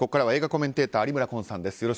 ここからは映画コメンテーター有村昆さんです。